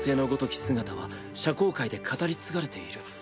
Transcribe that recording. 姿は社交界で語り継がれている。